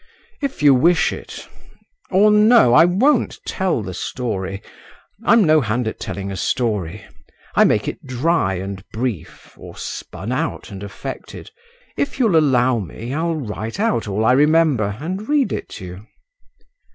"If you wish it … or no; I won't tell the story; I'm no hand at telling a story; I make it dry and brief, or spun out and affected. If you'll allow me, I'll write out all I remember and read it you."